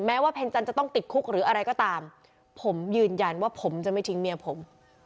ว่าเพนจันจะต้องติดคุกหรืออะไรก็ตามผมยืนยันว่าผมจะไม่ทิ้งเมียผม